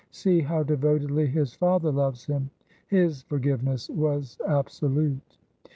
See how devotedly his father loves him; his forgiveness was absolute."